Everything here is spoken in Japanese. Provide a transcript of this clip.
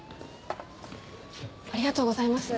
ありがとうございます。